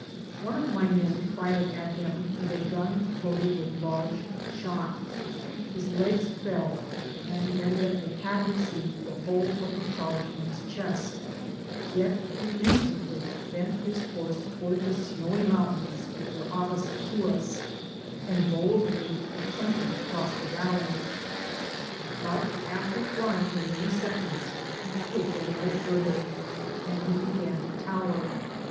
One of the men fired at him with a gun loaded with large shot — ^his legs fell, and he evidently had received the whole of the charge in his chest ; yet he instantly bent his course towards the snowy mountains which were opposite to us, and boldly attempted to cross the valley ; but, after flying for many seconds, he could go no farther, and he b^an to tower.